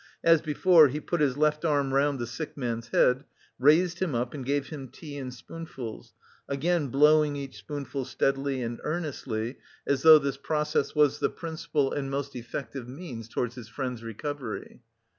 As before, he put his left arm round the sick man's head, raised him up and gave him tea in spoonfuls, again blowing each spoonful steadily and earnestly, as though this process was the principal and most effective means towards his friend's recovery.